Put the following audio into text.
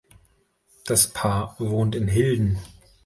Das Paar wohnt in Hilden.